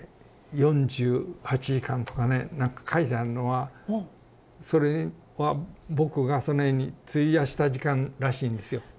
４８時間とかねなんか書いてあんのはそれは僕がその絵に費やした時間らしいんですよ。